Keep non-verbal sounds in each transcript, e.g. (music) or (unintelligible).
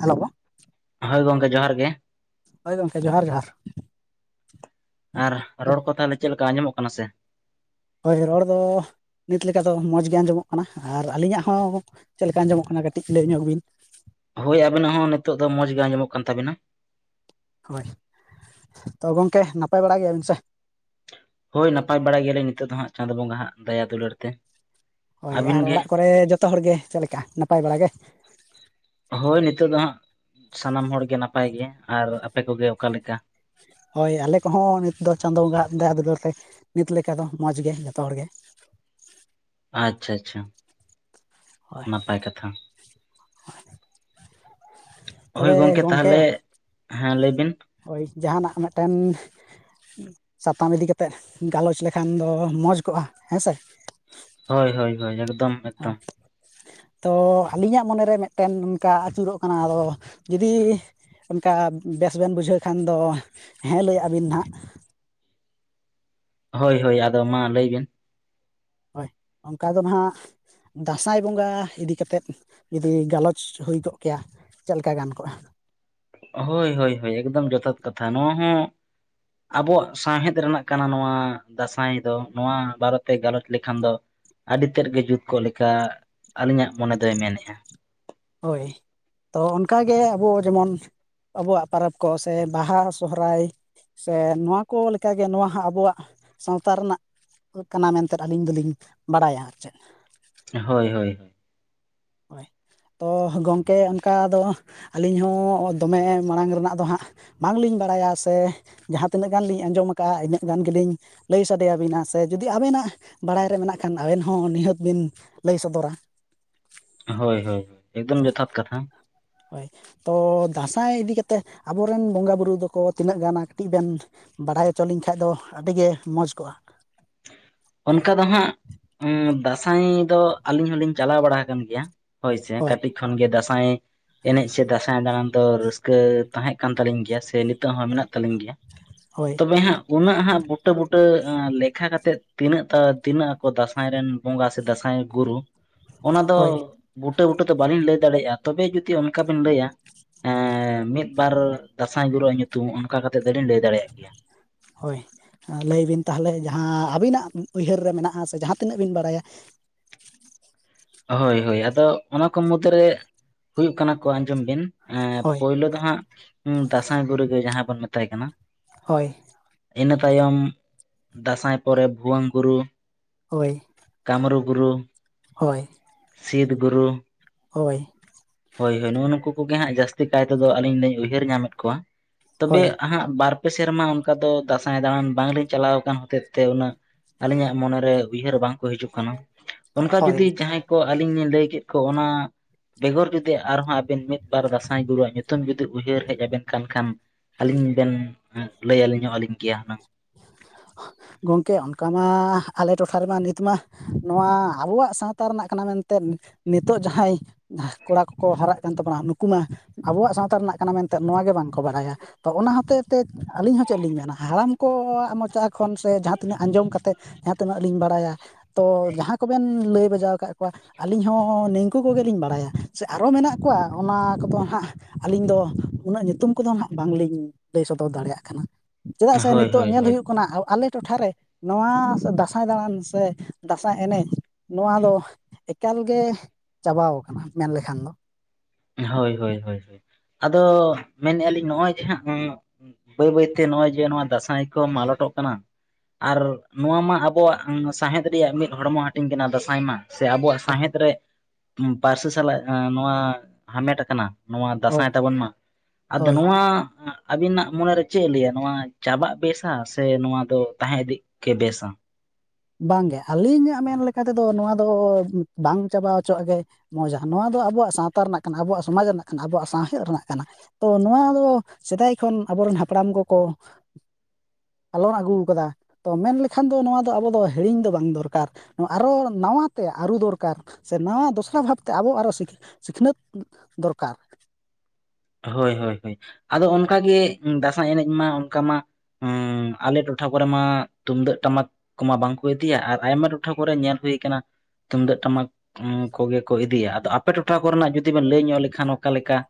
Hello ᱦᱳᱭ ᱜᱚᱝᱠᱮ ᱡᱚᱦᱟᱨ ᱜᱮ᱾ ᱦᱚᱳᱭ ᱜᱚᱢᱠᱮ ᱡᱚᱦᱟᱨ ᱡᱚᱦᱟᱨ᱾ ᱟᱨ ᱨᱚᱲ ᱠᱚ ᱛᱟᱦᱚᱞᱮ ᱪᱮᱫ ᱞᱮᱠᱟ ᱟᱸᱡᱚᱢᱚᱜ ᱠᱟᱱᱟ ᱥᱮ? ᱦᱳᱭ ᱨᱚᱲ ᱫᱚ ᱱᱤᱛ ᱞᱮᱠᱟ ᱫᱚ ᱢᱚᱡᱽ ᱜᱮ ᱟᱸᱡᱚᱢᱚᱜ ᱠᱟᱱᱟ, ᱟᱨ ᱟᱹᱞᱤᱧᱟᱜ ᱦᱚᱸ ᱪᱮᱫ ᱞᱮᱠᱟ ᱟᱸᱡᱚᱢᱚᱜ ᱠᱟᱱᱟ ᱠᱟᱹᱴᱤᱡ ᱞᱟᱹᱭ ᱧᱚᱜ ᱵᱤᱱ? ᱦᱳᱭ ᱟᱵᱤᱱᱟᱜ ᱦᱚᱸ ᱱᱤᱛᱚᱜ ᱫᱚ ᱢᱚᱸᱡᱽ ᱜᱮ ᱟᱸᱢᱚᱜ ᱠᱟᱱ ᱛᱟᱵᱮᱱᱟ᱾ ᱦᱳᱭ ᱛᱚ ᱜᱚᱢᱠᱮ ᱱᱟᱯᱟᱭ ᱵᱟᱲᱟ ᱜᱮᱭᱟᱵᱤᱱ ᱥᱮ? ᱦᱳᱭ ᱱᱟᱯᱟᱭ ᱵᱟᱲᱟᱭ ᱜᱮᱭᱟᱞᱤᱧ ᱱᱤᱛᱚᱜ ᱫᱚ ᱦᱟᱸᱜ ᱪᱟᱸᱫ ᱵᱚᱸᱜᱟ ᱦᱟᱜ ᱫᱟᱭᱟ ᱫᱩᱞᱟᱹᱲ ᱛᱮ᱾ ᱦᱳᱭ ᱟᱹᱵᱤᱱ ᱟᱨ ᱜᱮ ᱚᱲᱟᱜ ᱠᱚᱨᱮ ᱡᱚᱛᱚ ᱦᱚᱲᱜᱮ ᱪᱮᱫ ᱞᱮᱠᱟ ᱱᱟᱯᱟᱭ ᱵᱟᱲᱟ ᱜᱮ? ᱦᱳᱭ ᱱᱤᱛᱳᱜ ᱫᱚ ᱦᱟᱸᱜ ᱥᱟᱱᱟᱢ ᱦᱚᱲᱜᱮ ᱱᱟᱯᱟᱭ ᱜᱮ, ᱟᱨ ᱟᱯᱮ ᱠᱚᱜᱮ ᱚᱠᱟᱞᱮᱠᱟ? ᱦᱳᱭ ᱟᱞᱮ ᱠᱚᱦᱚᱸ ᱱᱤᱛ ᱫᱚ ᱪᱟᱸᱫᱳ ᱵᱚᱸᱜᱟ ᱫᱟᱭᱟ ᱫᱩᱞᱟᱹᱲ ᱛᱮ ᱱᱤᱛ ᱞᱮᱠᱟ ᱫᱚ ᱢᱚᱡᱽ ᱜᱮ ᱡᱚᱛᱚ ᱦᱚᱲᱜᱮ᱾ ᱟᱪᱪᱷᱟ ᱟᱪᱪᱷᱟ ᱦᱳᱭ ᱱᱟᱯᱟᱭ ᱠᱟᱛᱷᱟ, ᱦᱳᱭ ᱛᱚᱵᱮ ᱜᱚᱝᱠᱮ ᱜᱚᱢᱠᱮ ᱛᱟᱦᱚᱞᱮ ᱦᱮᱸ ᱞᱟᱹᱭ ᱵᱤᱱ, ᱦᱳᱭ ᱡᱟᱦᱟᱱᱟᱜ ᱢᱤᱫᱴᱮᱱ ᱥᱟᱛᱟᱢ ᱤᱫᱤ ᱠᱟᱛᱮᱜ ᱜᱟᱞᱚᱪ ᱞᱮᱠᱷᱟᱱ ᱫᱚ ᱢᱚᱸᱡᱽ ᱠᱚᱜᱼᱟ ᱦᱮᱸᱥᱮ? ᱦᱳᱭ ᱦᱳᱭ ᱦᱳᱭ ᱮᱠᱫᱚᱢ ᱮᱠᱫᱚᱢ ᱦᱳᱭ ᱛᱚ ᱟᱹᱞᱤᱧᱟᱜ ᱢᱚᱱᱮᱨᱮ ᱢᱤᱫᱴᱮᱱ ᱱᱚᱝᱠᱟ ᱟᱹᱪᱩᱨᱚᱜ ᱠᱟᱱᱟ ᱟᱫᱚ ᱡᱩᱫᱤ ᱚᱱᱠᱟ ᱵᱮᱥ ᱵᱮᱱ ᱵᱩᱡᱷᱟᱹᱣ ᱠᱷᱟᱱ ᱫᱚ ᱦᱮᱸ ᱞᱟᱹᱭ ᱟᱜ ᱵᱤᱱ ᱦᱟᱜ, ᱦᱳᱭ ᱦᱳᱭ ᱟᱫᱚ ᱢᱟ ᱞᱟᱹᱭᱵᱤᱱ, ᱦᱳᱭ ᱚᱱᱠᱟ ᱫᱚ ᱱᱟᱦᱟᱜ ᱫᱟᱸᱥᱟᱭ ᱵᱚᱸᱜᱟ ᱤᱫᱤ ᱠᱟᱛᱮᱫ ᱡᱩᱫᱤ ᱜᱟᱞᱚᱪ ᱦᱩᱭ ᱠᱚᱜ ᱠᱮᱭᱟ, ᱪᱮᱫ ᱞᱮᱠᱟ ᱜᱟᱱ ᱠᱚᱜᱼᱟ? ᱦᱳᱭ ᱦᱳᱭ ᱦᱳᱭ ᱮᱠᱫᱚᱢ ᱡᱚᱛᱷᱟᱛ ᱠᱟᱛᱷᱟ ᱱᱚᱣᱟ ᱦᱚᱸ ᱟᱵᱚᱣᱟᱜ ᱥᱟᱶᱦᱮᱫ ᱨᱮᱱᱟᱜ ᱠᱟᱱᱟ ᱱᱚᱣᱟ ᱫᱟᱸᱥᱟᱭ ᱫᱚ ᱱᱚᱣᱟ ᱵᱟᱨᱮᱛᱮ ᱜᱟᱞᱚᱪ ᱞᱮᱠᱷᱟᱱ ᱫᱚ, ᱟᱹᱰᱤ ᱛᱮᱫ ᱜᱮ ᱡᱩᱛ ᱠᱚᱜ ᱞᱮᱠᱟ ᱟᱹᱞᱤᱧᱟᱜ ᱢᱚᱱᱮ ᱫᱚᱭ ᱢᱮᱱᱮᱫᱼᱟ᱾ ᱦᱳᱭ ᱛᱚ ᱚᱱᱠᱟᱜᱮ ᱟᱵᱚ ᱡᱮᱢᱚᱱ ᱟᱵᱚᱣᱟᱜ ᱯᱚᱨᱚᱵᱽ ᱠᱚ ᱥᱮ ᱵᱟᱦᱟ, ᱥᱚᱦᱚᱨᱟᱭ, ᱥᱮ ᱱᱚᱣᱟ ᱠᱚ ᱞᱮᱠᱟᱜᱮ ᱱᱚᱣᱟ ᱦᱟᱸᱜ ᱟᱵᱚᱣᱟᱜ ᱥᱟᱶᱛᱟ ᱨᱮᱱᱟᱜ, ᱠᱟᱱᱟ ᱢᱮᱱᱛᱮᱫ ᱟᱹᱞᱤᱧ ᱫᱚᱞᱤᱧ ᱵᱟᱲᱟᱭᱟ ᱟᱨ ᱪᱮᱫ᱾ ᱦᱳᱭ ᱦᱳᱭ ᱦᱳᱭ ᱦᱳᱭ ᱛᱚ ᱜᱚᱢᱠᱮ ᱚᱱᱠᱟ ᱫᱚ ᱟᱹᱞᱤᱧ ᱦᱚᱸ ᱫᱚᱢᱮ ᱢᱟᱲᱟᱝ ᱨᱮᱱᱟᱜ ᱫᱚ ᱦᱟᱸᱜ, ᱵᱟᱝᱞᱤᱧ ᱵᱟᱲᱟᱭᱟ ᱥᱮ ᱡᱟᱦᱟᱸ ᱛᱤᱱᱟᱹᱜ ᱜᱟᱱ ᱞᱤᱧ ᱟᱸᱡᱚᱢ ᱠᱟᱜᱼᱟ ᱤᱱᱟᱹᱜ ᱜᱟᱱ ᱜᱮᱞᱤᱧ, ᱞᱟᱹᱭ ᱥᱟᱰᱮᱭᱟᱵᱤᱱᱟ ᱥᱮ ᱡᱩᱫᱤ ᱟᱵᱮᱱᱟᱜ ᱵᱟᱲᱟᱭ ᱨᱮ ᱢᱮᱱᱟᱜ ᱠᱷᱟᱱ ᱟᱵᱮᱱ ᱦᱚᱸ ᱱᱤᱦᱟᱹᱛ ᱵᱤᱱ ᱞᱟᱹᱭ ᱥᱚᱫᱚᱨᱟ᱾ ᱦᱳᱭ ᱦᱳᱭ ᱮᱠᱫᱚᱢ ᱡᱚᱛᱷᱟᱛ ᱠᱟᱛᱷᱟ᱾ ᱦᱳᱭ ᱛᱚ ᱫᱟᱸᱥᱟᱭ ᱤᱫᱤ ᱠᱟᱛᱮᱫ ᱟᱵᱚᱨᱮᱱ ᱵᱚᱸᱜᱟᱼᱵᱩᱨᱩ ᱫᱚᱠᱚ ᱛᱤᱱᱟᱹᱜ ᱜᱟᱱ ᱠᱟᱹᱴᱤᱡ ᱵᱮᱱ ᱵᱟᱲᱟᱭ ᱦᱚᱪᱚ ᱞᱤᱧ ᱠᱷᱟᱡ ᱫᱚ ᱟᱹᱰᱤᱜᱮ ᱢᱚᱡᱽ ᱠᱚᱜᱼᱟ᱾ ᱚᱱᱠᱟ ᱫᱚ ᱦᱟᱸᱜ ᱫᱟᱸᱥᱟᱭ ᱫᱚ ᱟᱹᱞᱤᱧ ᱦᱚᱸᱞᱤᱧ ᱪᱟᱞᱟᱣ ᱵᱟᱲᱟ ᱟᱠᱟᱱ ᱜᱮᱭᱟ᱾ ᱦᱳᱭ ᱥᱮ ᱠᱟᱹᱴᱤᱠ ᱠᱷᱚᱱ ᱜᱮ ᱫᱟᱸᱥᱟᱭ ᱮᱱᱮᱡ ᱥᱮ ᱫᱟᱸᱥᱟᱭ ᱫᱟᱬᱟᱱ ᱫᱚ ᱨᱟᱹᱥᱠᱟᱹ ᱛᱟᱦᱮᱸ ᱠᱟᱱ ᱛᱟᱹᱞᱤᱧ ᱜᱮᱭᱟ ᱥᱮ ᱱᱤᱛᱚᱜ ᱦᱚᱸ ᱢᱮᱱᱟᱜ ᱛᱟᱞᱤᱧ ᱜᱮᱭᱟ ᱾ ᱦᱳᱭ ᱾ ᱟᱯᱮ ᱦᱟᱸᱜ ᱩᱱᱟᱹᱜ ᱦᱟᱸᱜ ᱵᱩᱴᱟᱹ ᱵᱩᱴᱟᱹ ᱞᱮᱠ ᱞᱮᱠᱷᱟ ᱠᱟᱛᱮᱫ ᱛᱤᱱᱟᱹᱜ ᱛᱤᱱᱟᱹᱜ ᱟᱠᱚ ᱫᱟᱸᱥᱟᱭ ᱨᱮᱱ ᱵᱚᱸᱜᱟ ᱥᱮ ᱫᱟᱸᱥᱟᱭ ᱨᱤᱱ ᱜᱩᱨᱩ ᱚᱱᱟ ᱫᱚ ᱦᱳᱭ ᱵᱩᱴᱟᱹ ᱵᱩᱴᱟᱹ ᱫᱚ ᱵᱟᱹᱞᱤᱧ ᱞᱟᱹᱭ ᱫᱟᱲᱮᱭᱟᱜᱼᱟ ᱛᱚᱵᱮ ᱡᱩᱫᱤ ᱚᱱᱠᱟ ᱵᱤᱱ ᱞᱟᱹᱭᱟ ᱾ ᱢᱤᱫ ᱵᱟᱨ ᱫᱟᱸᱥᱟᱭ ᱜᱩᱨᱩ ᱣᱟᱜ ᱧᱩᱛᱩᱢ ᱚᱱᱠᱟ ᱠᱟᱛᱮᱜ ᱫᱚᱞᱤᱧ ᱞᱟᱹᱭ ᱫᱟᱲᱮᱭᱟᱜ ᱜᱮᱭᱟ ᱾ ᱦᱳᱭ ᱾ ᱞᱟᱹᱭ ᱵᱤᱱ ᱛᱟᱦᱚᱞᱮ ᱡᱟᱦᱟᱸ ᱟᱹᱵᱤᱱᱟᱜ ᱩᱭᱦᱟᱹᱨ ᱨᱮ ᱢᱮᱱᱟᱜᱼᱟ ᱥᱮ ᱡᱟᱦᱟᱸ ᱛᱤᱱᱟᱹᱜ ᱵᱤᱱ ᱵᱟᱲᱟᱭᱟ ᱾ ᱦᱳᱭ ᱦᱳᱭ ᱟᱫᱚ ᱚᱱᱟ ᱠᱚ ᱢᱩᱫᱨᱮ ᱦᱩᱭᱩᱜ ᱠᱟᱱᱟ ᱠᱚ ᱟᱸᱡᱚᱢ ᱵᱤᱱ ᱦᱳᱭ ᱯᱳᱞᱳ ᱫᱚ ᱦᱟᱸᱟᱜᱜ ᱫᱟᱸᱟᱭ ᱵᱩᱨᱩ ᱜᱮ ᱡᱟᱦᱟᱸᱭ ᱵᱚᱱ ᱢᱮᱛᱟᱭ ᱠᱟᱱᱟ ᱦᱳᱭ ᱾ ᱤᱱᱟᱹ ᱛᱟᱭᱚᱢ ᱫᱟᱸᱥᱟᱭ ᱯᱚᱨᱮ ᱵᱷᱩᱩᱭᱟᱹᱝ ᱜᱩᱨᱩ ᱦᱳᱭ ᱾ ᱠᱟᱢᱨᱩ ᱜᱩᱨᱩ ᱾ ᱦᱳᱭ ᱾ ᱥᱤᱤᱫ ᱜᱩᱨᱩ ᱾ ᱦᱳᱭ ᱾ ᱦᱳᱭ ᱦᱳᱭ ᱱᱚᱜᱼ ᱱᱩᱠᱩᱩᱜᱮ ᱦᱟᱸᱜ ᱡᱟᱹᱥᱛᱤ ᱠᱟᱭ ᱛᱮᱫᱚ ᱟᱹᱞᱤᱧ ᱞᱤᱧ ᱩᱭᱦᱟᱹᱨ ᱧᱟᱢᱮᱫ ᱠᱚᱣᱟ ᱾ ᱛᱚᱵᱮ ᱦᱳᱭ ᱦᱟᱸᱜ ᱵᱟᱨᱯᱮ ᱥᱮᱨᱢᱟ ᱚᱱᱠᱟ ᱫᱚ ᱫᱟᱸᱥᱟᱭ ᱫᱟᱬᱟᱱ ᱵᱟᱝᱞᱤᱧ ᱪᱟᱞᱟᱣ ᱟᱠᱟᱱ ᱦᱚᱛᱮᱫ ᱛᱮ ᱩᱱᱟᱹᱜ ᱟᱹᱞᱤᱧᱟᱜ ᱢᱚᱱᱮᱨᱮ ᱩᱭᱦᱟᱹᱨ ᱵᱟᱝᱠᱚ ᱦᱤᱡᱩᱜ ᱠᱟᱱᱟ ᱚᱱᱠᱟ ᱦᱳᱭ ᱡᱩᱫᱤ ᱡᱟᱦᱟᱸᱭ ᱾ ᱠᱚ ᱟᱹᱞᱤᱧ ᱞᱤᱧ ᱞᱟᱹᱭ ᱠᱮᱫ ᱠᱚ ᱚᱱᱟ ᱾ ᱵᱮᱜᱚᱨ ᱡᱩᱫᱤ ᱟᱨᱦᱚᱸ ᱟᱵᱤᱱ ᱢᱤᱫ ᱵᱟᱨ ᱫᱟᱸᱥᱟᱭ ᱜᱩᱨᱩᱩᱣᱟᱜ ᱧᱩᱛᱩᱢ ᱡᱩᱫᱤ ᱩᱭᱦᱟᱹᱨ ᱦᱮᱡ ᱟᱵᱮᱱ ᱠᱟᱱ ᱠᱷᱟᱱ ᱾ ᱟᱹᱞᱤᱧ ᱵᱮᱱ ᱞᱟᱹᱭ ᱟᱹᱞᱤᱧᱚᱜ ᱟᱹᱞᱤᱧ ᱜᱮᱭᱟ ᱦᱩᱱᱟᱹᱝ ᱾ ᱜᱚᱝᱠᱮ ᱚᱱᱠᱟ ᱢᱟ ᱟᱞᱮ ᱴᱚᱴᱷᱟ ᱨᱮᱢᱟ ᱱᱤᱛ ᱢᱟ ᱾ ᱱᱚᱣᱟ ᱟᱵᱚᱣᱟᱜ ᱥᱟᱶᱛᱟ ᱨᱮᱱᱟᱜ ᱠᱟᱱᱟ ᱢᱮᱱᱛᱮ ᱱᱤᱛᱚᱜᱜ ᱡᱟᱦᱟᱸᱭ ᱠᱚᱲᱟ ᱠᱚᱠᱚ ᱦᱟᱨᱟᱜ ᱠᱟᱱ ᱛᱟᱵᱚᱱᱟ ᱱᱩᱠᱩ ᱢᱟ ᱾ ᱟᱵᱚᱣᱟᱜ ᱥᱟᱶᱛᱟ ᱨᱮᱱᱟᱜ ᱠᱟᱱᱟ ᱢᱮᱱᱛᱮ ᱱᱚᱣᱟᱣᱟᱜ ᱜᱮ ᱵᱟᱝᱠᱚ ᱵᱟᱲᱟᱭᱟ ᱛᱚ ᱚᱱᱟ ᱦᱚᱛᱮ ᱛᱮ ᱟᱹᱞᱤᱧ ᱦᱚᱸ ᱪᱮᱫ ᱞᱤᱧ ᱢᱮᱱᱟ ᱦᱟᱲᱟᱢ ᱟᱠᱚᱣᱟᱜ ᱢᱚᱪᱟ ᱠᱷᱚᱱ ᱥᱮ ᱡᱟᱦᱟᱸ ᱛᱤᱱᱟᱹᱜ ᱟᱸᱡᱚᱢ ᱠᱟᱛᱮᱫ ᱡᱟᱦᱟᱸ ᱛᱤᱱᱟᱹᱜ ᱞᱤᱧ ᱵᱟᱲᱟᱭᱟ ᱾ ᱛᱚ ᱡᱟᱦᱟᱸ ᱠᱚᱵᱮᱱ ᱞᱟᱹᱭ ᱵᱟᱡᱟᱣ ᱟᱠᱟᱫ ᱠᱚᱣᱟ ᱾ ᱟᱹᱞᱤᱧ ᱦᱚᱸ ᱱᱤᱝᱠᱩ ᱠᱚᱜᱮᱞᱤᱧ ᱵᱟᱲᱟᱭᱟ ᱥᱮ ᱟᱨᱚ ᱢᱮᱱᱟᱜ ᱠᱚᱣᱟ ᱚᱱᱟ ᱠᱚᱫᱚ ᱦᱟᱸᱜ ᱟᱹᱞᱤᱧ ᱫᱚ ᱩᱱᱟᱹᱜ ᱧᱩᱛᱩᱢ ᱠᱚᱫᱚ ᱦᱟᱸᱜ ᱵᱟᱝᱞᱤᱧ ᱞᱟᱹᱭ ᱥᱚᱫᱚᱨ ᱫᱟᱲᱮᱭᱟᱜ ᱠᱟᱱᱟ ᱪᱮᱫᱟᱜ ᱥᱤᱛ ᱦᱳᱭ ᱦᱳᱭ ᱦᱳᱭ ᱠᱟᱱᱟ ᱦᱚᱸ ᱟᱞᱮ ᱴᱚᱴᱷᱟᱨᱮ ᱱᱚᱣᱟ ᱫᱟᱸᱥᱟᱭ ᱫᱟᱬᱟᱱ ᱥᱮ ᱫᱟᱸᱥᱟᱭ ᱮᱱᱮᱡ ᱱᱚᱣᱟ ᱫᱚ ᱮᱠᱟᱞ ᱜᱮ ᱪᱟᱵᱟᱣ ᱠᱟᱱᱟ ᱢᱮᱱᱞᱠᱷᱟᱱ ᱫᱚ ᱦᱳᱭ ᱦᱳᱭ ᱦᱳᱭ ᱟᱫᱚ ᱢᱮᱱᱮᱜᱼᱟ ᱞᱤᱧ ᱱᱚᱜᱼᱚᱭ ᱡᱮ ᱦᱟᱸᱜ ᱾ ᱵᱟᱹᱭ ᱵᱟᱹᱭᱛᱮ ᱱᱚᱜᱚᱭ ᱡᱮ ᱱᱚᱣᱟ ᱫᱟᱸᱥᱟᱭ ᱠᱚ ᱢᱟᱞᱚᱴᱚᱜ ᱠᱟᱱᱟ ᱾ ᱟᱨ ᱱᱚᱣᱟ ᱢᱟ ᱟᱵᱚᱣᱟᱜ ᱥᱟᱶᱦᱮᱫ ᱨᱮᱭᱟᱜ ᱢᱤᱫ ᱦᱚᱲᱢᱚ ᱦᱟᱹᱴᱤᱧ ᱠᱟᱱᱟ ᱫᱟᱸᱥᱟᱭ ᱢᱟ ᱥᱮ ᱟᱵᱚᱣᱟᱜ ᱥᱟᱶᱦᱮᱫ ᱨᱮ ᱯᱟᱹᱨᱥᱤ ᱥᱟᱞᱟᱜ ᱱᱚᱣᱟ ᱦᱟᱢᱮᱴ ᱟᱠᱟᱱᱟ ᱾ ᱱᱚᱣᱟ ᱫᱟᱸᱥᱟᱭ ᱦᱳᱭ ᱛᱟᱵᱚᱱ ᱢᱟ ᱟᱫᱚ ᱦᱳᱭ ᱱᱚᱣᱟ ᱾ ᱟᱵᱤᱱᱟᱜ ᱢᱚᱱᱮᱨᱮ ᱪᱮᱫ ᱮ ᱞᱟᱹᱭᱟ ᱱᱚᱣᱟ ᱪᱟᱵᱟᱜ ᱵᱮᱥᱟ ᱥᱮ ᱱᱚᱣᱟ ᱫᱚ ᱛᱟᱦᱮᱸ ᱤᱫᱤᱜ ᱜᱮ ᱵᱮᱥᱟ ᱵᱟᱝᱜᱮ ᱟᱹᱞᱤᱧᱟᱜ ᱢᱮᱱ ᱞᱮᱠᱟ ᱛᱮᱫᱚ ᱱᱚᱣᱟ ᱫᱚ ᱵᱟᱝ ᱪᱟᱵᱟ ᱦᱚᱪᱚᱣᱟᱜ ᱜᱮ ᱢᱚᱡᱟ ᱱᱚᱣᱟ ᱫᱚ ᱟᱵᱚᱣᱟᱜ ᱥᱟᱶᱛᱟ ᱨᱮᱱᱟᱜ ᱠᱟᱱᱟ ᱟᱵᱚᱣᱟᱜ ᱥᱚᱢᱟᱡᱽ ᱨᱮᱱᱟᱜ ᱠᱟᱱᱟ ᱟᱵᱚᱣᱟᱜ ᱥᱟᱶᱦᱮᱫ ᱨᱮᱱᱟᱜ ᱠᱟᱱᱟ ᱾ ᱛᱚ ᱱᱚᱣᱟ ᱫᱚ ᱥᱮᱫᱟᱭ ᱠᱷᱚᱱ ᱟᱵᱚᱨᱮᱱ ᱦᱟᱯᱲᱟᱢ ᱠᱚᱠᱚ ᱟᱞᱚ ᱟᱹᱜᱩ ᱠᱟᱫᱟ ᱛᱚ ᱢᱮᱱ ᱞᱮᱠᱷᱟᱱ ᱫᱚ ᱱᱚᱣᱟ ᱫᱚ ᱟᱵᱚ ᱫᱚ ᱾ ᱦᱤᱲᱤᱧ ᱫᱚ ᱵᱟᱝ ᱫᱚᱨᱠᱟᱨ ᱟᱨᱚ ᱱᱟᱣᱟᱛᱮ ᱟᱹᱨᱩ ᱫᱚᱨᱠᱟᱨ ᱥᱮ ᱱᱟᱣᱟ ᱫᱚᱥᱨᱟ ᱵᱷᱟᱵᱽᱛᱮ ᱟᱵᱚ ᱟᱨᱚ ᱥᱤᱠᱷᱱᱟᱹᱛ ᱫᱚᱨᱠᱟᱨ ᱦᱳᱭ ᱦᱳᱭ ᱦᱳᱭ ᱟᱫᱚ ᱚᱱᱠᱟᱜ ᱜᱮ ᱫᱟᱸᱥᱟᱭ ᱮᱱᱮᱡ ᱢᱟ ᱚᱱᱠᱟ ᱢᱟ ᱾ ᱦᱸ ᱟᱞᱮ ᱴᱚᱴᱷᱟ ᱠᱚᱨᱮᱢᱟ ᱛᱩᱢᱫᱟᱹᱜ ᱴᱟᱢᱟᱠ ᱠᱚᱢᱟ ᱵᱟᱝᱠᱚ ᱤᱫᱤᱭᱟ ᱟᱨ ᱟᱭᱢᱟ ᱴᱚᱴᱷᱟ ᱠᱚᱨᱮ ᱧᱮᱞ ᱦᱩᱭ ᱟᱠᱟᱱᱟ ᱾ ᱛᱩᱢᱫᱟᱹᱜ ᱴᱟᱢᱟᱠ ᱠᱚᱜᱮ ᱠᱚ ᱤᱫᱤᱭᱟ ᱟᱫᱚ ᱟᱯᱮ ᱴᱚᱴᱷᱟ ᱠᱚᱨᱮᱱᱟᱜ ᱡᱩᱫᱤ ᱵᱮᱱ ᱞᱟᱹᱭ ᱧᱚᱜ ᱞᱮᱠᱷᱟᱱ ᱚᱠᱟᱞᱮᱠᱟ ᱾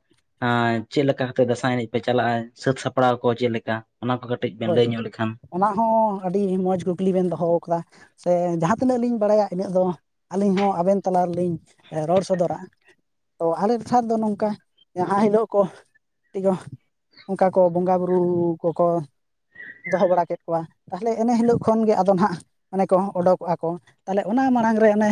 ᱪᱮᱫ ᱞᱮᱠᱟ ᱠᱟᱛᱮᱜ ᱫᱟᱸᱥᱟᱭ ᱮᱱᱮᱡ ᱯᱮ ᱪᱟᱞᱟᱜᱼᱟ ᱥᱟᱹᱛ ᱥᱟᱯᱲᱟᱣ ᱠᱚ ᱪᱮᱫ ᱞᱮᱠᱟ ᱚᱱᱟ ᱠᱚ ᱠᱟᱹ ᱠᱟᱹᱴᱤᱡ ᱵᱮᱱ ᱦᱳᱭ ᱞᱟᱹᱭ ᱧᱚᱜ ᱞᱮᱠᱷᱟᱱ ᱚᱱᱟ ᱦᱚᱸ ᱟᱹᱰᱤ ᱢᱚᱡᱽ ᱠᱩᱠᱞᱤ ᱵᱮᱱ ᱫᱚᱦᱚ ᱟᱠᱟᱫᱟ ᱥᱮ ᱡᱟᱦᱟᱸ ᱛᱤᱱᱟᱹᱜ ᱞᱤᱧ ᱵᱟᱲᱟᱭᱟ ᱤᱱᱟᱹᱜ ᱫᱚ ᱟᱹᱞᱤᱧ ᱦᱚᱸ ᱟᱵᱮᱱ ᱛᱟᱞᱟ ᱨᱮᱞᱤᱧ ᱨᱚᱲ ᱥᱚᱫᱚᱨᱟ ᱛᱚ ᱟᱞᱮ ᱥᱮᱫ ᱫᱚ ᱱᱚᱝᱠᱟ ᱡᱟᱦᱟᱸ ᱦᱤᱞᱳᱜ ᱠᱚ ᱚᱱᱠᱟ ᱠᱚ ᱵᱚᱸᱜᱟ ᱵᱩᱨᱩ ᱠᱚᱠᱚ ᱫᱚᱦᱚ ᱵᱟᱲᱟ ᱠᱮᱫ ᱠᱚᱣᱟ ᱛᱟᱦᱚᱞᱮ ᱤᱱᱟᱹ ᱦᱤᱞᱳᱜ ᱠᱷᱚᱱᱜᱮ ᱟᱫᱚ ᱦᱟᱸᱜ ᱚᱱᱮ ᱠᱚ ᱚᱰᱠᱚᱜᱼᱟ ᱠᱚ ᱛᱟᱦᱚᱞᱮ ᱚᱱᱟ ᱢᱟᱲᱟᱝ ᱨᱮ ᱚᱱᱮ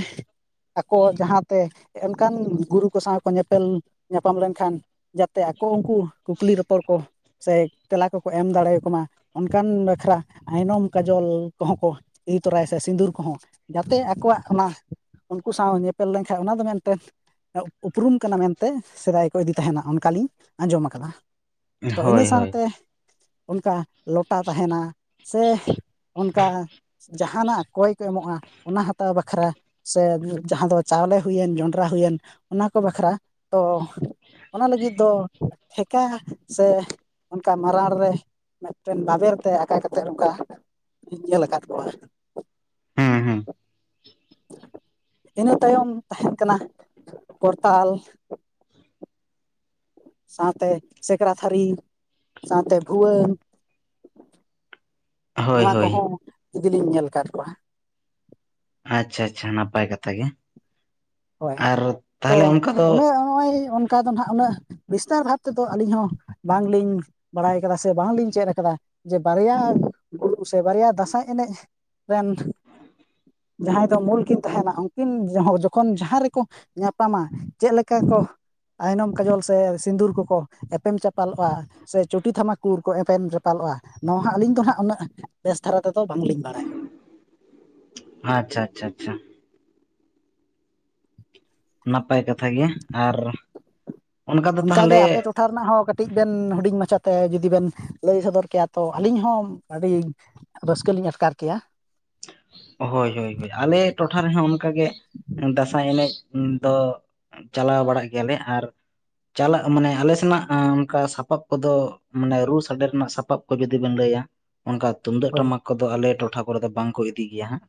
ᱟᱠᱚ ᱡᱟᱦᱟᱸᱛᱮ ᱚᱱᱠᱟᱱ ᱜᱩᱨᱩ ᱠᱚ ᱥᱟᱶ ᱠᱚ ᱧᱮᱯᱮᱞ ᱧᱟᱯᱟᱢ ᱞᱮᱱᱠᱷᱟᱱ ᱡᱟᱛᱮ ᱟᱠᱚ ᱩᱱᱠᱩ ᱠᱩᱠᱞᱤ ᱨᱚᱯᱚᱲ ᱠᱚ ᱥᱮ ᱛᱮᱞᱟ ᱠᱚ ᱠᱚ ᱮᱢ ᱫᱟᱲᱮᱭᱟ ᱢᱟ᱾ ᱚᱱᱠᱟᱱ ᱵᱟᱠᱷᱨᱟ ᱟᱭᱱᱚᱢ ᱠᱟᱡᱚᱞ ᱠᱚᱦᱚᱸ ᱠᱚ ᱮᱫᱤ ᱛᱚᱨᱟᱭᱟ ᱥᱮ ᱥᱤᱸᱫᱩᱨ ᱠᱚᱦᱚᱸ ᱡᱟᱛᱮ ᱟᱠᱚᱣᱟᱜ ᱚᱱᱟ ᱩᱱᱠᱩ ᱥᱟᱶ ᱧᱮᱯᱮᱞ ᱞᱮᱱ ᱠᱷᱟᱡ ᱚᱱᱟ ᱫᱚ ᱢᱮᱱ ᱛᱮ᱾ ᱩᱯᱨᱩᱢ ᱠᱟᱱᱟ ᱢᱮᱱᱛᱮ ᱥᱮᱫᱟᱭ ᱠᱚ ᱤᱫᱤ ᱛᱟᱦᱮᱱᱟ ᱚᱱᱠᱟᱞᱤᱧ ᱟᱸᱡᱚᱢ ᱟᱠᱟᱫᱟ᱾ ᱛᱚ ᱤᱱᱟᱹ ᱦᱳᱭ ᱦᱳᱭ ᱥᱟᱶᱛᱮ ᱚᱱᱠᱟ ᱞᱚᱴᱟ ᱛᱟᱦᱮᱱᱟ ᱥᱮ ᱚᱱᱠᱟ ᱡᱟᱦᱟᱱᱟᱜ ᱠᱚᱭ ᱠᱚ ᱮᱢᱚᱜ-ᱟ ᱚᱱᱟ ᱦᱟᱛᱟᱣ ᱵᱟᱠᱷᱨᱟ ᱥᱮ (inaudible) ᱡᱟᱦᱟᱸ ᱫᱚ ᱪᱟᱣᱞᱮ ᱦᱩᱭᱮᱱ ᱡᱚᱸᱰᱨᱟ ᱦᱩᱭᱮᱱ ᱚᱱᱟ ᱠᱚ ᱵᱟᱠᱷᱨᱟ ᱛᱚ ᱚᱱᱟ ᱞᱟᱹᱜᱤᱫ ᱫᱚ ᱴᱷᱮᱠᱟ ᱥᱮ ᱚᱱᱠᱟ (unintelligible) ᱨᱮ᱾ ᱢᱤᱫᱴᱮᱱ ᱵᱟᱵᱮᱨ ᱛᱮ ᱟᱠᱟ ᱠᱟᱛᱮᱫ ᱚᱱᱠᱟ ᱤᱧ ᱧᱮᱞ ᱟᱠᱟᱫ ᱠᱚᱣᱟ᱾ (inaudible) ᱤᱱᱟᱹ ᱛᱟᱭᱚᱢ ᱛᱟᱦᱮᱱ ᱠᱟᱱᱟ ᱠᱚᱨᱛᱟᱞ ᱥᱟᱶ ᱛᱮ ᱥᱮᱠᱨᱟ ᱛᱷᱟᱹᱨᱤ ᱥᱟᱶ ᱛᱮ ᱵᱷᱩᱣᱟᱹᱝ ᱦᱳᱭ ᱱᱚᱣᱟ ᱠᱚ ᱦᱳᱭ ᱦᱚᱸ ᱤᱫᱤ ᱞᱤᱧ ᱧᱮᱞ ᱟᱠᱟᱫ ᱠᱩᱣᱟ᱾ ᱟᱪᱪᱷᱟ ᱟᱪᱪᱷᱟ ᱱᱟᱯᱟᱭ ᱠᱟᱛᱷᱟ ᱜᱮ ᱟᱨ ᱛᱟᱦᱚᱞᱮ ᱚᱱᱠᱟ ᱫᱚ ᱱᱚᱜ-ᱚᱭ ᱚᱱᱠᱟ ᱫᱚ ᱱᱟᱦᱟᱜ ᱩᱱᱟᱹᱜ ᱵᱤᱥᱛᱟᱨ ᱵᱷᱟᱵ ᱛᱮ ᱫᱚ ᱟᱹᱞᱤᱧ ᱦᱚᱸ ᱵᱟᱝᱞᱤᱧ ᱵᱟᱲᱟᱭ ᱠᱟᱫᱟ ᱥᱮ ᱵᱟᱝᱞᱤᱧ ᱪᱮᱫ ᱠᱟᱫᱟ ᱡᱮ ᱵᱟᱨᱭᱟ ᱥᱮ ᱵᱟᱨᱭᱟ ᱫᱟᱸᱥᱟᱭ ᱮᱱᱮᱡ ᱨᱮᱱ ᱡᱟᱦᱟᱸᱭ ᱫᱚ ᱢᱩᱞ ᱠᱤᱱ ᱛᱟᱦᱮᱱᱟ ᱩᱱᱠᱤᱱ ᱠᱷᱚᱱ ᱡᱟᱦᱟᱸ ᱨᱮ ᱠᱚ ᱧᱟᱯᱟᱢᱟ ᱪᱮᱫ ᱞᱮᱠᱟ ᱠᱚ ᱟᱭᱱᱚᱢ ᱠᱟᱡᱚᱞ ᱥᱮ ᱥᱤᱸᱫᱩᱨ ᱠᱚ ᱠᱚ ᱮᱯᱮᱢ ᱪᱟᱯᱟᱞᱚᱜ-ᱟ᱾ ᱥᱮ ᱪᱩᱴᱤ ᱛᱷᱟᱢᱟᱠᱩᱲ ᱠᱚ ᱮᱯᱮᱢ ᱪᱟᱯᱟᱞᱚᱜ-ᱟ ᱱᱚᱣᱟ ᱦᱟᱸᱜ ᱟᱹᱞᱤᱧ ᱫᱚ ᱦᱟᱸᱜ ᱩᱱᱟᱹᱜ ᱵᱮᱥ ᱫᱷᱟᱨᱟ ᱛᱮ ᱫᱚ ᱵᱟᱝᱞᱤᱧ ᱵᱟᱲᱟᱭᱟ᱾ ᱟᱪᱪᱷᱟ ᱟᱪᱪᱷᱟ ᱟᱪᱪᱷᱟ᱾ ᱱᱟᱯᱟᱭ ᱠᱟᱛᱷᱟᱜ ᱜᱮ ᱟᱨ ᱫᱚ ᱚᱱᱠᱟ ᱜᱮ ᱛᱟᱦᱚᱞᱮ ᱟᱯᱮ ᱴ ᱴᱚᱴᱷᱟ ᱨᱮᱱᱟᱜ ᱦᱚᱸ ᱠᱟᱹᱴᱤᱡ ᱵᱮᱱ ᱦᱩᱰᱤᱧ ᱢᱟᱪᱷᱟ ᱛᱮ ᱡᱩᱫᱤ ᱵᱮᱱ ᱞᱟᱹᱭ ᱥᱚᱫᱚᱨ ᱠᱮᱭᱟ ᱛᱚ ᱟᱹᱞᱤᱧ ᱦᱚᱸ ᱟᱹᱰᱤ ᱨᱟᱹᱥᱠᱟᱹ ᱞᱤᱧ ᱟᱴᱠᱟᱨ ᱠᱮᱭᱟ ᱦᱳᱭ ᱦᱳᱭ ᱦᱳᱭ ᱟᱞᱮ ᱴᱚᱴᱷᱟ ᱨᱮ ᱦᱚᱸ ᱚᱱᱠᱟ ᱜᱮ ᱫᱟᱸᱥᱟᱭ ᱮᱱᱮᱡ ᱫᱚ ᱪᱟᱞᱟᱣ ᱵᱟᱲᱟᱜ ᱜᱮᱭᱟ ᱞᱮ ᱟᱨ ᱪᱟᱞᱟᱜ ᱢᱟᱱᱮ ᱟᱞᱮ ᱥᱮᱱᱟᱜ ᱚᱱᱠᱟ ᱥᱟᱯᱟᱵ ᱠᱚ ᱫᱚ ᱢᱟᱱᱮ ᱨᱩ ᱥᱟᱰᱮ ᱨᱮᱱᱟᱜ ᱥᱟᱯᱟᱵ ᱚᱠᱚᱭ ᱡᱩᱫᱤ ᱵᱮᱱ ᱞᱟᱹᱭᱟ᱾ ᱚᱱᱠᱟ ᱛᱩᱢᱫᱟᱹᱜ ᱦᱳᱭ ᱴᱟᱢᱟᱠ ᱠᱚ ᱫᱚ ᱟᱞᱮ ᱴᱚᱴᱷᱟ ᱠᱚᱨᱮ ᱫᱚ ᱵᱟᱝ ᱠᱚ ᱤᱫᱤ ᱜᱮᱭᱟ ᱦᱟᱸᱜ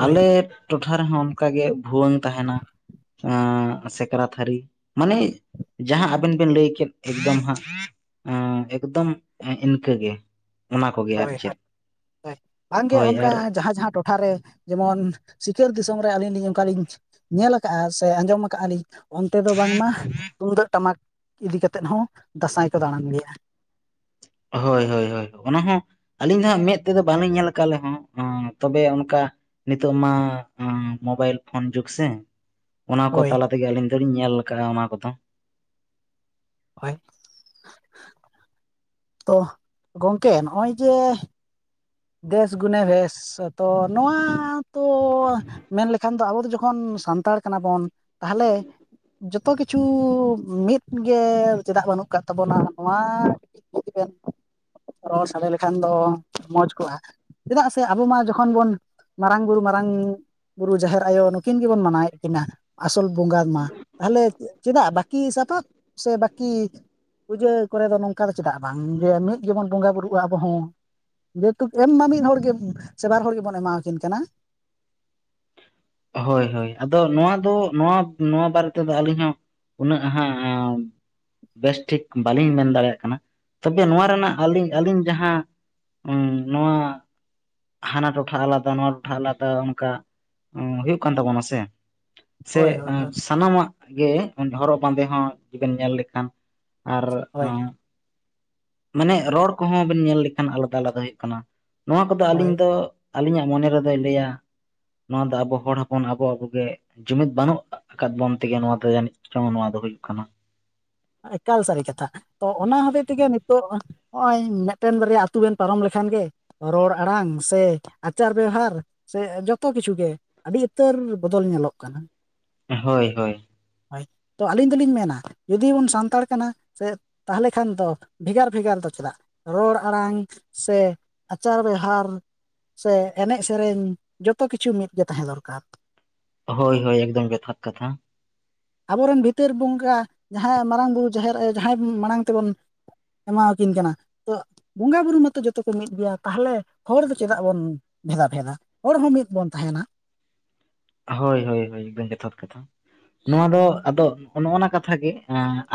ᱦᱳᱭ ᱟᱞᱮ ᱴᱚᱴᱷᱟ ᱨᱮᱦᱚᱸ ᱚᱱᱠᱟ ᱜᱮ ᱵᱷᱩᱣᱟᱹᱝ ᱛᱟᱦᱮᱱᱟ ᱮ ᱥᱮᱠᱨᱟᱛᱷ ᱦᱟᱹᱨᱤ ᱢᱟᱱᱮ ᱡᱟᱦᱟᱸ ᱟᱵᱮᱱ ᱵᱮᱱ ᱞᱟᱹᱭ ᱠᱮᱫ ᱮᱠᱫᱚᱢ ᱦᱟᱸᱜ ᱮᱠᱫᱚᱢ ᱤᱱᱠᱟ ᱜᱮ᱾ ᱦᱳᱭ ᱦᱳᱭ ᱦᱳᱭ ᱵᱟᱝᱜᱮ ᱦᱳᱭ ᱚᱱᱠᱟ ᱟᱨ ᱡᱟᱦᱟᱸ ᱡᱟᱦᱟᱸ ᱴᱚᱴ ᱴᱚᱴᱷᱟ ᱨᱮ ᱡᱮᱢᱚᱱ ᱥᱤᱠᱟᱹᱨ ᱫᱤᱥᱚᱢ ᱨᱮ ᱟᱹᱞᱤᱧ ᱞᱤᱧ ᱚᱱᱠᱟ ᱞᱤᱧ ᱧᱮᱞ ᱠᱟᱜ-ᱟ ᱥᱮ ᱟᱸᱡᱚᱢ ᱠᱟᱜ-ᱟ ᱞᱤᱧ᱾ ᱚᱱᱛᱮ ᱫᱚ ᱵᱟᱝ ᱢᱟ ᱛᱩᱢᱫᱟᱹᱜ ᱴᱟᱢᱟᱠ ᱤᱫᱤ ᱠᱟᱛᱮᱫ ᱦᱚᱸ ᱫᱟᱸᱥᱟᱭ ᱠᱚ ᱫᱟᱬᱟᱱ ᱜᱮᱭᱟ᱾ ᱦᱳᱭ ᱦᱳᱭ ᱦᱳᱭ ᱚᱱᱟ ᱦᱚᱸ ᱟᱹᱞᱤᱧ ᱫᱚ ᱦᱟᱸᱜ ᱢᱮᱫ ᱛᱮ ᱫᱚ ᱵᱟᱹᱞᱤᱧ ᱧᱮᱞ ᱟᱠᱟᱫ ᱞᱮ ᱦᱚᱸ ᱦᱚᱸ ᱛᱚᱵᱮ ᱚᱱᱠᱟ ᱱᱤᱛᱚᱜ ᱢᱟ ᱦᱚᱸ ᱢᱳᱵᱟᱭᱤᱞ ᱯᱷᱳᱱ ᱡᱩᱜᱽ ᱥᱮ᱾ ᱚᱱᱟ ᱠᱚ ᱦᱳᱭ ᱛᱟᱞᱟ ᱛᱮ ᱜᱮ ᱟᱹᱞᱤᱧ ᱫᱚ ᱞᱤᱧ ᱧᱮᱞ ᱟᱠᱟᱫ-ᱟ ᱚᱱᱟ ᱠᱚ ᱫᱚ᱾ ᱦᱳᱭ (inaudible) ᱛᱚ ᱜᱚᱝᱠᱮ ᱱᱚᱜ-ᱚᱭ ᱡᱮ ᱫᱮᱥ ᱜᱩᱱᱮ ᱵᱷᱮᱥ᱾ ᱟ (unintelligible) ᱛᱚ ᱱᱚᱣᱟ ᱛᱚ ᱢᱮᱱ ᱞᱮᱠᱷᱟᱱ ᱫᱚ ᱟᱵᱚ ᱡᱚᱠᱷᱚᱱ ᱥᱟᱱᱛᱟᱲ ᱠᱟᱱᱟᱵᱚᱱ᱾ ᱛᱟᱦᱚᱞᱮ ᱡᱚᱛᱚ ᱠᱤᱪᱷᱩ ᱢᱤᱫ ᱜᱮ ᱪᱮᱫᱟᱜ ᱵᱟᱹᱱᱩᱜ ᱟᱠᱟᱜ ᱛᱟᱵᱚᱱᱟ ᱱᱚᱣᱟ ᱵᱮ (unintelligible) ᱨᱚᱲ ᱥᱟᱰᱮ ᱞᱮᱠᱷᱟᱱ ᱫᱚ ᱢᱚᱡᱽ ᱪᱮᱫᱟᱜ ᱥᱮ ᱟᱵᱚ ᱢᱟ ᱡᱚᱠᱷᱚᱱ ᱵᱚᱱ ᱢᱟᱨᱟᱝ ᱵᱩᱨᱩ ᱢᱟᱨᱟᱝ ᱵᱩᱨᱩ ᱡᱟᱦᱮᱨ ᱟᱭᱳ ᱱᱩᱠᱤᱱ ᱜᱮ ᱵᱚᱱ ᱢᱟᱱᱟᱣᱮᱫ ᱠᱤᱱᱟᱹ ᱟᱥᱚᱞ ᱵᱚᱸᱜᱟ ᱢᱟ ᱛᱟᱦᱞᱮ ᱪᱮᱫᱟᱜ ᱵᱟᱹᱠᱤ ᱥᱟᱯᱟᱵ ᱥᱮ ᱵᱟᱠᱤ ᱯᱩᱡᱟᱹ ᱠᱚᱨᱮ ᱫᱚ ᱱᱚᱝᱠᱟ ᱫᱚ ᱪᱮᱫᱟᱜ ᱵᱟᱝ ᱡᱮ ᱢᱤᱫ ᱜᱮᱵᱚᱱ ᱵᱚᱸᱜᱟ ᱵᱩᱨᱩᱜᱼᱟ ᱟᱵᱚ ᱦᱚᱸ ᱡᱮᱦᱮᱛᱩ ᱮᱢ ᱢᱟ ᱢᱤᱫ ᱦᱚᱲᱜᱮ ᱥᱮ ᱵᱟᱨ ᱦᱚᱲ ᱜᱮᱵᱚᱱ ᱮᱢᱟᱣᱠᱤᱱ ᱠᱟᱱᱟ ᱦᱳᱭ ᱦᱳᱭ ᱟᱫᱚ ᱱᱚᱣᱟ ᱫᱚ ᱱᱚᱣᱟ ᱱᱚᱣᱟ ᱵᱟᱨᱮ ᱛᱮᱫᱚ ᱟᱹᱞᱤᱧ ᱦᱚᱸ ᱩᱱᱟᱹᱜ ᱦᱟᱸᱜ ᱵᱮᱥᱴᱷᱤᱠ ᱵᱟᱹᱞᱤᱧ ᱢᱮᱱ ᱫᱟᱲᱮᱭᱟᱜ ᱠᱟᱱᱟ ᱛᱚᱵᱮ ᱱᱚᱣᱟ ᱨᱮᱱᱟᱜ ᱟᱹᱞᱤᱧ ᱟᱹᱞᱤᱧ ᱡᱟᱦᱟᱸ ᱦᱩᱸ ᱱᱚᱣᱟ ᱦᱟᱱᱟ ᱴᱚᱴᱷᱟ ᱟᱞᱟᱫᱟ ᱱᱚᱣᱟ ᱴᱚᱴᱷᱟ ᱟᱞᱟᱫᱟ ᱚᱱᱠᱟ ᱦᱩᱭᱩᱜ ᱠᱟᱱ ᱛᱟᱵᱚᱱᱟ ᱥᱮ ᱥᱮ ᱦᱳᱭ ᱦᱳᱭ ᱦᱳᱭ ᱥᱟᱱᱟᱢᱟᱜ ᱜᱮ ᱦᱚᱨᱚᱜ ᱵᱟᱸᱫᱮ ᱦᱚᱸ ᱡᱩᱫᱤ ᱵᱮᱱ ᱧᱮᱞ ᱞᱮᱠᱷᱟᱱ ᱟᱨ ᱦᱳᱭ ᱟᱸᱼᱼ ᱢᱟᱱᱮ ᱨᱚᱲ ᱠᱚᱦᱚᱸ ᱵᱮᱱ ᱧᱮᱞ ᱞᱮᱠᱷᱟᱱ ᱟᱞᱟᱫᱟ ᱟᱞᱟᱫᱟ ᱦᱩᱭᱩᱜ ᱠᱟᱱᱟ ᱱᱚᱣᱟ ᱠᱚᱫᱚ ᱦᱳᱭ ᱟᱹᱞᱤᱧ ᱫᱚ ᱟᱹᱞᱤᱧᱟᱜ ᱢᱚᱱᱮ ᱨᱮᱫᱚᱭ ᱞᱟᱹᱭᱟ ᱱᱚᱣᱟ ᱫᱚ ᱟᱵᱚ ᱦᱚᱲ ᱦᱚᱯᱚᱱ ᱟᱵᱚ ᱟᱵᱚᱜᱮ ᱡᱩᱢᱤᱫ ᱵᱟᱹᱱᱩᱜ ᱟᱠᱟᱫ ᱵᱚᱱ ᱛᱮᱜᱮ ᱱᱚᱣᱟ ᱫᱚ ᱡᱟᱱᱤᱡ ᱪᱚᱝ ᱱᱚᱣᱟ ᱫᱚ ᱦᱩᱭᱩᱜ ᱠᱟᱱᱟ ᱮᱠᱟᱞ ᱥᱟᱹᱨᱤ ᱠᱟᱛᱷᱟ ᱛᱚ ᱚᱱᱟ ᱦᱚᱛᱮᱡ ᱛᱮᱜᱮ ᱱᱤᱛᱚᱜ ᱱᱚᱜᱼᱚᱭ ᱢᱤᱫᱴᱮᱱ ᱵᱟᱨᱭᱟ ᱟᱹᱛᱩ ᱵᱮᱱ ᱯᱟᱨᱚᱢ ᱞᱮᱠᱷᱟᱱ ᱜᱮ ᱨᱚᱲ ᱟᱲᱟᱝ ᱥᱮ ᱟᱪᱟᱨ ᱵᱮᱣᱦᱟᱨ ᱥᱮ ᱡᱚᱛᱚ ᱠᱤᱪᱷᱩ ᱜᱮ ᱟᱹᱰᱤ ᱩᱛᱟᱹᱨ ᱵᱚᱫᱚᱞ ᱧᱮᱞᱚᱜ ᱠᱟᱱᱟ ᱦᱳᱭ ᱦᱳᱭ ᱦᱳᱭ ᱛᱚ ᱟᱹᱞᱤᱧ ᱫᱚᱞᱤᱧ ᱢᱮᱱᱟ ᱡᱩᱫᱤ ᱵᱚᱱ ᱥᱟᱱᱛᱟᱲ ᱠᱟᱱᱟ ᱥᱮ ᱛᱟᱦᱚᱞᱮ ᱠᱷᱟᱱ ᱫᱚ ᱵᱷᱮᱜᱟᱨ ᱵᱷᱮᱜᱟᱨ ᱫᱚ ᱪᱮᱫᱟᱜ? ᱨᱚᱲ ᱟᱲᱟᱝ ᱥᱮ ᱟᱪᱟᱨ ᱵᱮᱣᱦᱟᱨ ᱥᱮ ᱮᱱᱮᱡ ᱥᱮᱨᱮᱧ ᱡᱚᱛᱚ ᱠᱤᱪᱷᱩ ᱢᱤᱫᱜᱮ ᱛᱟᱦᱮᱸ ᱫᱚᱨᱠᱟᱨ᱾ ᱦᱳ ᱦᱳᱭ ᱮᱠᱫᱚᱢ ᱡᱚᱛᱷᱟᱛ ᱠᱟᱛᱷᱟ ᱟᱵᱚᱨᱮᱱ ᱵᱷᱤᱛᱟᱹᱨ ᱵᱚᱸᱜᱟ ᱡᱟᱦᱟᱸᱭ ᱢᱟᱨᱟᱝ ᱵᱩᱨᱩ ᱡᱟᱦᱮᱨ ᱡᱟᱦᱟᱸᱭ ᱢᱟᱲᱟᱝ ᱛᱮᱵᱚᱱ ᱮᱢᱟᱣᱠᱤᱱ ᱠᱟᱱᱟ ᱛᱚ ᱵᱚᱸᱜᱟ ᱵᱩᱨᱩ ᱢᱟᱛᱚ ᱡᱚᱛᱚ ᱠᱚ ᱢᱤᱫ ᱜᱮᱭᱟ ᱛᱟᱦᱚᱞᱮ ᱦᱚᱲ ᱫᱚ ᱪᱮᱫᱟᱜ ᱵᱚᱱ ᱵᱷᱮᱫᱟ ᱵᱷᱮᱫᱟ ᱦᱚᱲ ᱦᱚᱸ ᱢᱤᱫ ᱵᱚᱱ ᱛᱟᱦᱮᱱᱟ ᱦᱳᱭ ᱦᱳᱭ ᱦᱳᱭ ᱵᱮᱜᱮᱛᱷᱚᱨ ᱠᱟᱛᱷᱟ ᱱᱚᱣᱟ ᱫᱚ ᱟᱫᱚ ᱱᱚᱜᱼᱱᱟ ᱠᱟᱛᱷᱟ ᱜᱮ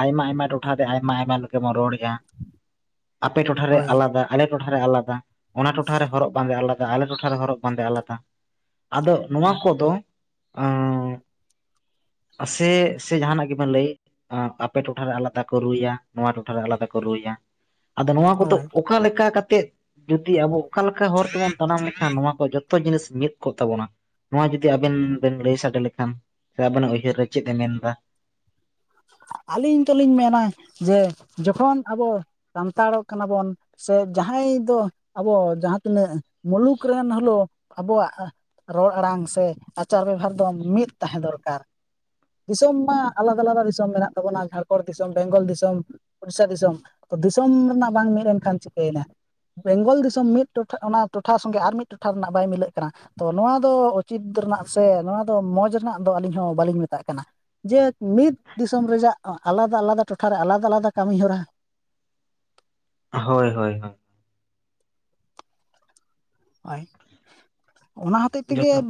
ᱟᱭᱢᱟ ᱟᱭᱢᱟ ᱴᱚᱴᱷᱟ ᱨᱮ ᱟᱭᱢᱟ ᱟᱭᱢᱟ ᱞᱮᱠᱟ ᱵᱚᱱ ᱨᱚᱲᱮᱫᱼᱟ᱾ (inaudible) ᱟᱯᱮ ᱴᱚᱴᱷᱟᱨᱮ ᱦᱳᱭ ᱟᱞᱟᱫᱟ ᱟᱞᱮ ᱴᱚᱴᱷᱟᱨᱮ ᱟᱞᱟᱫᱟ ᱚᱱᱟ ᱴᱚᱴᱷᱟᱨᱮ ᱦᱚᱨᱚᱜ ᱵᱟᱸᱫᱮ ᱟᱞᱟᱫᱟ᱾ ᱟᱞᱮ ᱴᱚᱴᱷᱟ ᱨᱮ ᱦᱚᱨᱚᱜ ᱵᱟᱸᱫᱮ ᱟᱞᱟᱫᱟ ᱟᱫᱚ ᱱᱚᱣᱟ ᱦᱳᱭ ᱠᱚ ᱫᱚ ᱟᱸ ᱥᱮ ᱥᱮ ᱡᱟᱦᱟᱱᱟᱜ ᱜᱮᱵᱮᱱ ᱞᱟᱹᱭ ᱟᱯᱮ ᱴᱚᱴᱷᱟ ᱨᱮ ᱟᱞᱟᱫᱟ ᱠᱚ ᱨᱩᱭᱟ ᱱᱚᱣᱟ ᱴᱚᱴᱷᱟ ᱨᱮ ᱟᱞᱟᱫᱟ ᱠᱚ ᱨᱩᱭᱟ ᱟᱫᱚ ᱱᱚᱣᱟ ᱠᱚᱫᱚ ᱦᱳᱭ ᱚᱠᱟ ᱞᱮᱠᱟ ᱠᱟᱛᱮᱫ? ᱡᱩᱫᱤ ᱟᱵᱚ ᱚᱠᱟ ᱞᱮᱠᱟ ᱦᱚᱨ ᱛᱮᱵᱚᱱ ᱛᱟᱲᱟᱢ ᱞᱮᱠᱷᱟᱱ ᱱᱚᱣᱟ ᱠᱚ ᱡᱚᱛᱚ ᱡᱤᱱᱤᱥ ᱢᱤᱫ ᱠᱚᱜ ᱛᱟᱵᱚᱱᱟ ᱱᱚᱣᱟ ᱡᱩᱫᱤ ᱡᱩᱫᱤ ᱟᱵᱮᱱ ᱵᱮᱱ ᱞᱟᱹᱭ ᱥᱟᱰᱮ ᱞᱮᱠᱷᱟᱱ ᱥᱮ ᱟᱵᱮᱱᱟᱜ ᱩᱭᱦᱟᱹᱨ ᱨᱮ ᱪᱮᱫ ᱮ ᱢᱮᱱ ᱮᱫᱟ? ᱟᱹᱞᱤᱧ ᱫᱚᱞᱤᱧ ᱢᱮᱱᱟ ᱡᱮ ᱡᱚᱠᱷᱚᱱ ᱟᱵᱚ ᱥᱟᱱᱛᱟᱲᱚᱜ ᱠᱟᱱᱟ ᱵᱚᱱ ᱥᱮ ᱡᱟᱦᱟᱸᱭ ᱫᱚ ᱟᱵᱚ ᱡᱟᱦᱟᱸ ᱛᱤᱱᱟᱹᱜ ᱢᱩᱞᱩᱠ ᱨᱮᱱ ᱦᱚᱞᱳ ᱟᱵᱚᱣᱟᱜ ᱨᱚᱲ ᱟᱲᱟᱝ ᱥᱮ ᱟᱪᱟᱨ ᱵᱮᱵᱷᱟᱨ ᱫᱚ ᱢᱤᱫ ᱛᱟᱦᱮᱸ ᱫᱚᱨᱠᱟᱨ ᱫᱤᱥᱚᱢ ᱢᱟ ᱟᱞᱟᱫᱟ ᱟᱞᱟᱫᱟ ᱫᱤᱥᱚᱢ ᱢᱮᱱᱟᱜ ᱛᱟᱵᱚᱱᱟ ᱡᱷᱟᱲᱠᱷᱚᱸᱰ ᱫᱤᱥᱚᱢ ᱵᱮᱝᱜᱚᱞ ᱫᱤᱥᱚᱢ ᱩᱲᱤᱥᱟ ᱫᱤᱥᱚᱢ ᱛᱚ ᱫᱤᱥᱚᱢ ᱨᱮᱱᱟᱜ ᱵᱟᱝ ᱢᱤᱫ ᱮᱱᱠᱷᱟᱱ ᱪᱤᱠᱟᱹᱭᱮᱱᱟ? ᱵᱮᱝᱜᱚᱞ ᱫᱤᱥᱚᱢ ᱢᱤᱫ ᱴᱚᱴᱷᱟ ᱚᱱᱟ ᱴᱚᱴᱷᱟ ᱥᱚᱸᱜᱮ ᱟᱨ ᱢᱤᱫ ᱴᱚᱴᱷᱟ ᱨᱮᱱᱟᱜ ᱵᱟᱭ ᱢᱤᱞᱟᱹᱜ ᱠᱟᱱᱟ᱾ ᱛᱚ ᱱᱚᱣᱟ ᱫᱚ ᱩᱪᱤᱛ ᱨᱮᱱᱟᱜ ᱥᱮ ᱱᱚᱣᱟ ᱫᱚ ᱢᱚᱡᱽ ᱨᱮᱱᱟᱜ ᱫᱚ ᱟᱹᱞᱤᱧ ᱦᱚᱸ ᱵᱟᱹᱞᱤᱧ ᱢᱮᱛᱟᱜ ᱠᱟᱱᱟ ᱡᱮ ᱢᱤᱫ ᱫᱤᱥᱚᱢ ᱨᱮᱭᱟᱜ ᱟᱞᱟᱫᱟ ᱟᱞᱟᱫᱟ ᱴᱚᱴᱷᱟᱨᱮ ᱟᱞᱟᱫᱟ ᱟᱞᱟᱫᱟ ᱠᱟᱹᱢᱤ ᱦᱚᱨᱟ ᱦᱳᱭ ᱦᱳᱭ ᱦᱳᱭ ᱦᱳᱭ ᱚᱱᱟ ᱦᱚᱛᱮᱜ ᱛᱮᱜᱮ ᱡᱚᱛᱷᱟᱛ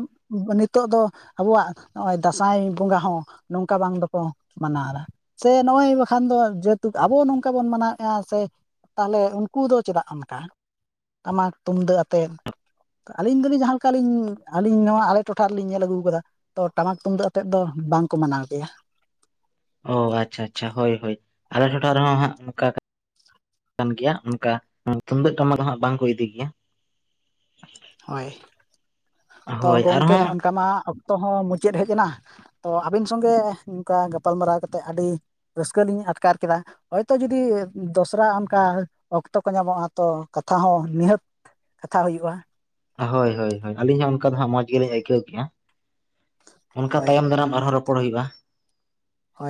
ᱱᱤᱛᱚᱜ ᱫᱚ ᱟᱵᱚᱣᱟᱜ ᱱᱚᱜᱼᱚᱭ ᱫᱟᱸᱥᱟᱭ ᱵᱚᱸᱜᱟ ᱦᱚᱸ ᱱᱚᱝᱠᱟ ᱵᱟᱝ ᱫᱚᱠᱚ ᱢᱟᱱᱟᱣᱫᱟ ᱥᱮ ᱱᱚᱜᱼᱚᱭ ᱵᱟᱠᱷᱟᱱ ᱫᱚ ᱡᱮᱦᱮᱛᱩ ᱟᱵᱚ ᱱᱚᱝᱠᱟ ᱵᱚᱱ ᱢᱟᱱᱟᱣᱮᱫᱼᱟ ᱥᱮ ᱛᱟᱦᱚᱞᱮ ᱩᱱᱠᱩ ᱫᱚ ᱪᱮᱫᱟᱜ ᱚᱱᱠᱟ ᱴᱟᱢᱟᱠ ᱛᱩᱢᱫᱟᱹᱜ ᱟᱛᱮ ᱟᱹᱞᱤᱧ ᱫᱚᱞᱤᱧ ᱡᱟᱦᱟᱸ ᱞᱮᱠᱟᱞᱤᱧ ᱟᱹᱞᱤᱧ ᱱᱚᱣᱟ ᱟᱞᱮ ᱴᱚᱴᱷᱟ ᱨᱮᱞᱤᱧ ᱧᱮᱞ ᱟᱹᱜᱩ ᱠᱟᱫᱟ ᱛᱚ ᱴᱟᱢᱟᱠ ᱛᱩᱢᱫᱟᱹᱜ ᱟᱛᱮᱫ ᱫᱚ ᱵᱟᱝᱠᱚ ᱢᱟᱱᱟᱣ ᱜᱮᱭᱟ ᱚ ᱟᱪᱪᱷᱟ ᱟᱪᱪᱷᱟ ᱦᱳᱭ ᱦᱳᱭ ᱟᱞᱮ ᱴᱚᱴᱷᱟ ᱨᱮᱦᱚᱸ ᱦᱟᱸᱜ ᱱᱚᱝᱠᱟ ᱠᱟᱱ ᱜᱮᱭᱟ ᱚᱱᱠᱟ ᱛᱩᱢᱫᱟᱹᱜ ᱴᱟᱢᱟᱠ ᱫᱚ ᱦᱟᱸᱜ ᱵᱟᱝ ᱠᱚ ᱤᱫᱤ ᱜᱮᱭᱟ ᱦᱳᱭ ᱛᱚ ᱦᱳᱭ ᱜᱚᱢᱠᱮ ᱟᱨᱦᱚᱸ ᱚᱱᱠᱟ ᱢᱟ ᱚᱠᱛᱚ ᱦᱚᱸ ᱢᱩᱪᱟᱹᱫ ᱦᱮᱡ ᱮᱱᱟ ᱛᱚ ᱟᱹᱵᱤᱱ ᱥᱚᱸᱜᱮ ᱱᱚᱝᱠᱟ ᱜᱟᱯᱟᱞᱢᱟᱨᱟᱣ ᱠᱟᱛᱮᱫ ᱟᱹᱰᱤ ᱨᱟᱹᱥᱠᱟᱹ ᱞᱤᱧ ᱟᱴᱠᱟᱨ ᱠᱮᱫᱟ ᱦᱚᱭᱛᱚ ᱡᱩᱫᱤ ᱫᱚᱥᱨᱟ ᱚᱱᱠᱟ ᱚᱠᱛᱚ ᱠᱚ ᱧᱟᱢᱚᱜᱼᱟ ᱛᱚ ᱠᱟᱛᱷᱟ ᱦᱚᱸ ᱱᱤᱦᱟᱹᱛ ᱠᱟᱛᱷᱟ ᱦᱩᱭᱩᱜᱼᱟ ᱦᱳᱭ ᱦᱳᱭ ᱦᱳᱭ ᱟᱹᱞᱤᱧ ᱦᱚᱸ ᱚᱱᱠᱟ ᱫᱚ ᱦᱟᱸᱜ ᱢᱚᱸᱡᱽ ᱜᱮᱞᱤᱧ ᱟᱹᱭᱠᱟᱹᱣ ᱠᱮᱜᱼᱟ, ᱚᱱᱠᱟ ᱦᱳᱭ ᱛᱟᱭᱚᱢ ᱫᱟᱨᱟᱢ ᱟᱨᱦᱚᱸ ᱨᱯᱚᱲ ᱦᱩᱭᱩᱜ-ᱟ ᱦᱳᱭ